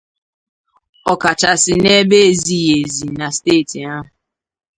ọ kachasị n'ebe ezighị ezi na steeti ahụ.